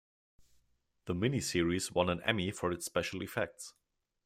The mini-series won an Emmy for its special effects.